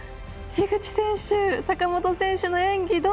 樋口選手坂本選手の演技